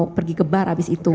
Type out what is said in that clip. saya mau pergi ke bar abis itu